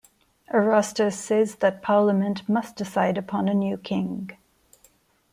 Arostus says that Parliament must decide upon a new King.